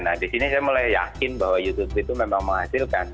nah di sini saya mulai yakin bahwa youtube itu memang menghasilkan